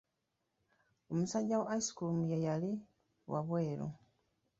Omusajja wa ice cream ye yali wa bweru.